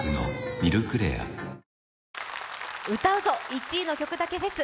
１位の曲だけフェス」。